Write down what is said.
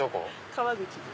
川口です。